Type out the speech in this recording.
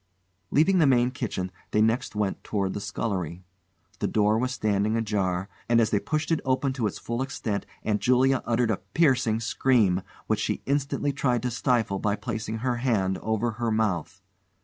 Leaving the main kitchen, they next went towards the scullery. The door was standing ajar, and as they pushed it open to its full extent Aunt Julia uttered a piercing scream, which she instantly tried to stifle by placing her hand over her mouth.